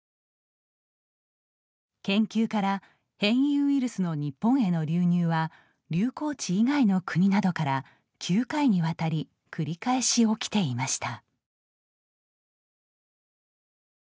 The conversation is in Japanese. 研究から、変異ウイルスの日本への流入は、流行地以外の国などから９回にわたり繰り返し起きていました。